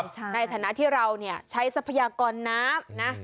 ใช่ในฐานะที่เราเนี่ยใช้ทรัพยากรน้ำนะ